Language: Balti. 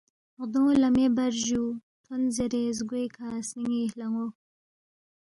غدونگ لا مے بر جو تھون زیرے زگوئیکہ سنینی ہلانو